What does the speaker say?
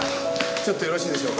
ちょっとよろしいでしょうか？